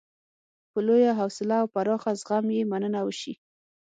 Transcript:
په لویه حوصله او پراخ زغم یې مننه وشي.